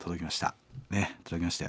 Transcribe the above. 届きました。